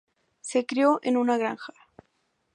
Se crio en una granja.